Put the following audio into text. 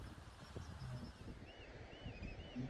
তাহার কারুকার্য বিনোদিনীর বহুদিনের পরিশ্রমজাত।